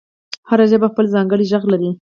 هره ژبه خپل ځانګړی غږ لري.